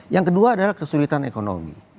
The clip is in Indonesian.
yang kedua adalah kesulitan ekonomi